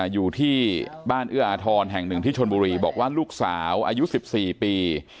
อยู่ที่บ้านเอื้ออาทรแห่งหนึ่งที่ชนบุรีบอกว่าลูกสาวอายุ๑๔ปี